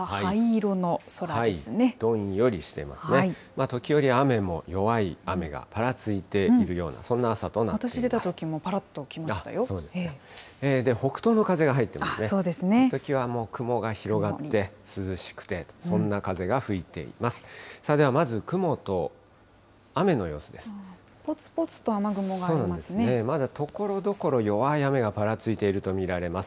このときは雲が広がって、涼しくて、そんな風が吹いています。